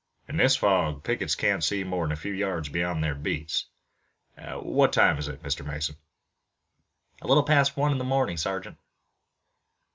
"In this fog, pickets can't see more'n a few yards beyond their beats. What time is it, Mr. Mason?" "A little past one in the morning, sergeant."